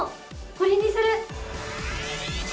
これにする！